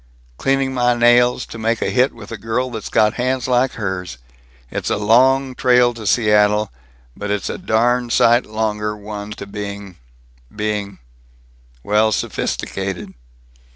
Cleaning my nails, to make a hit with a girl that's got hands like hers! It's a long trail to Seattle, but it's a darn sight longer one to being being well, sophisticated.